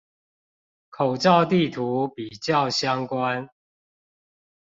口罩地圖比較相關